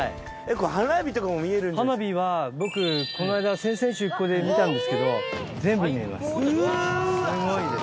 花火は僕この間先々週ここで見たんですけど全部見えますすごいです。